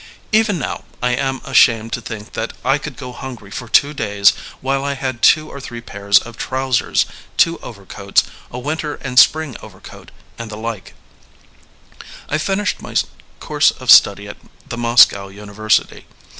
Even now, I am ashamed to think that I could go hungry for two days while I had two or three pairs of trousers, two overcoats, a winter and a spring overcoat, and the like* I finished my course of study at the Moscow University.